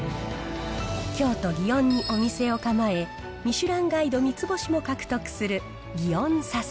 京都・祇園にお店を構え、ミシュランガイド三つ星も獲得する祇園さゝ